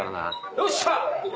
よっしゃ！